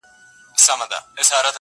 خو كله ، كله مي بيا,